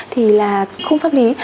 thì là không pháp lý